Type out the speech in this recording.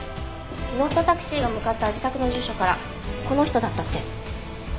乗ったタクシーが向かった自宅の住所からこの人だったって。